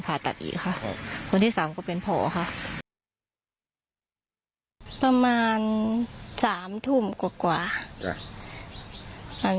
ผ่าตัดอีกค่ะคนที่สามก็เป็นผอค่ะประมาณสามทุ่มกว่าหลัง